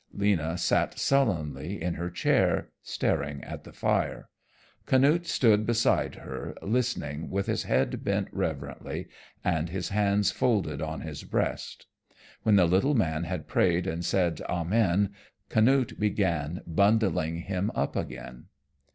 Lena sat sullenly in her chair, staring at the fire. Canute stood beside her, listening with his head bent reverently and his hands folded on his breast. When the little man had prayed and said amen, Canute began bundling him up again.